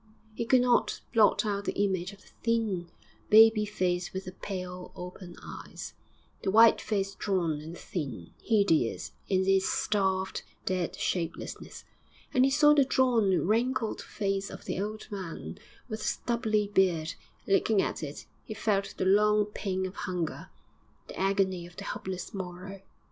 He could not blot out the image of the thin, baby face with the pale, open eyes, the white face drawn and thin, hideous in its starved, dead shapelessness. And he saw the drawn, wrinkled face of the old man, with the stubbly beard; looking at it, he felt the long pain of hunger, the agony of the hopeless morrow.